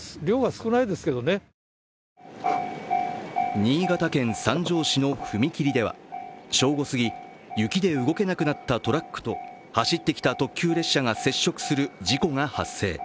新潟県三条市の踏切では正午過ぎ、雪で動けなくなったトラックと走ってきた特急列車が接触する事故が発生。